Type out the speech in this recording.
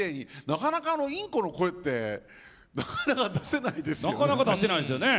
なかなか、インコの声って出せないですよね。